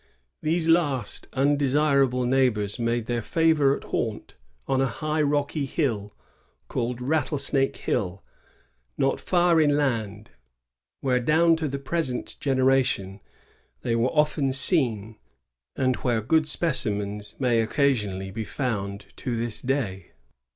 These last unde sirable neighbors made their &vorite haunt on « high rocky hill, called Rattlesnake Hill, not far inland, where, down to the present generation, they were often seen, and where good specimens may occasion ally be found to this day.